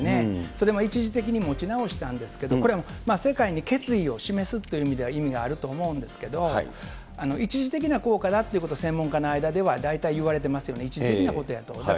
それも一時的に持ち直したんですけれども、これは世界に決意を示すということでは意味があると思うんですけど、一時的な効果だということは専門家の間では言われていますよね、一時的なことやと。